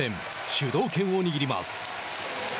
主導権を握ります。